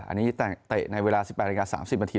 อันนี้เตะในเวลา๑๘นาที๓๐นาที